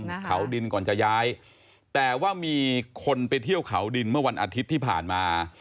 เขาดินก่อนจะย้ายแต่ว่ามีคนไปเที่ยวเขาดินเมื่อวันอาทิตย์ที่ผ่านมา